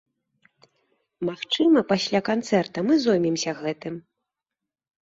Магчыма, пасля канцэрта мы зоймемся гэтым.